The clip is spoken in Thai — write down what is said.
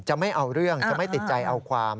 ไม่เอาเรื่องจะไม่ติดใจเอาความ